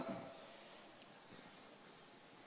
apa yang kita sadar